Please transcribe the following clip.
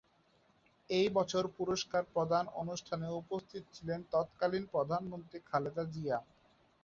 এই বছর পুরস্কার প্রদান অনুষ্ঠানে উপস্থিত ছিলেন তৎকালীন প্রধানমন্ত্রী খালেদা জিয়া।